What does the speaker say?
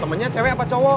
temennya cewek apa cowok